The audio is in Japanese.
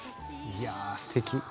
いやあすてき。